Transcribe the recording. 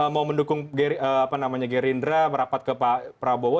mau mendukung gerindra merapat ke pak prabowo